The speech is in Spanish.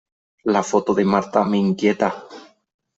La foto de Marta me inquieta.